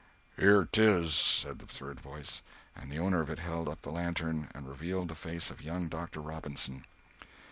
"Here it is," said the third voice; and the owner of it held the lantern up and revealed the face of young Doctor Robinson.